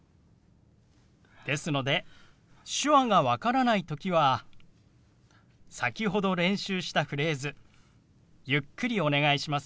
ですので手話が分からない時は先ほど練習したフレーズ「ゆっくりお願いします」